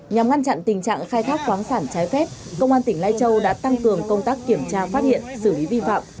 nhằm ngăn chặn tình trạng khai thác khoáng sản trái phép công an tỉnh lai châu đã tăng cường công tác kiểm tra phát hiện xử lý vi phạm